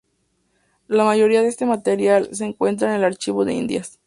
La mayoría de este material se encuentra en el Archivo de Indias.